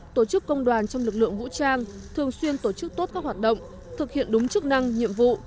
tổ chức công đoàn trong lực lượng vũ trang thường xuyên tổ chức tốt các hoạt động thực hiện đúng chức năng nhiệm vụ